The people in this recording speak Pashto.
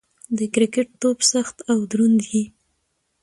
د کرکټ توپ سخت او دروند يي.